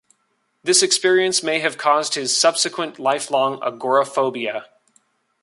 This experience may have caused his subsequent lifelong agoraphobia.